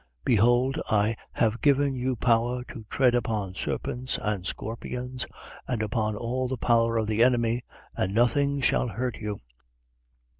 10:19. Behold, I have given you power to tread upon serpents and scorpions and upon all the power of the enemy: and nothing shall hurt you.